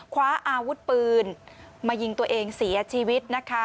คว้าอาวุธปืนมายิงตัวเองเสียชีวิตนะคะ